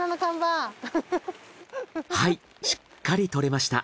はいしっかり撮れました。